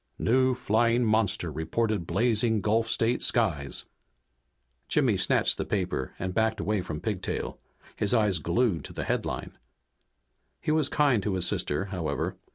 NEW FLYING MONSTER REPORTED BLAZING GULF STATE SKIES Jimmy snatched the paper and backed away from Pigtail, his eyes glued to the headline. He was kind to his sister, however.